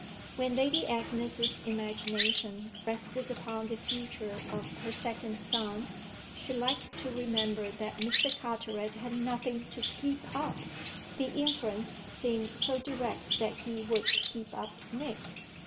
When Lady Agnes's imagination rested upon the future of her second son she liked to remember that Mr. Carteret had nothing to "keep up": the inference seemed so direct that he would keep up Nick.